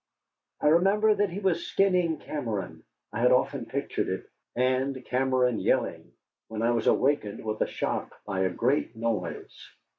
I remember that he was skinning Cameron, I had often pictured it, and Cameron yelling, when I was awakened with a shock by a great noise.